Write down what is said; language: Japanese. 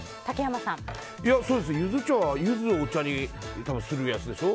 ユズ茶はユズをお茶にするやつでしょ。